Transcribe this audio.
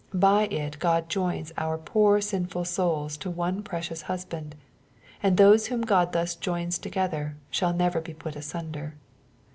By it God joins our poor sinful souls to one precious Husband ; and those whom Grod thus joins together, shall never be put asunder.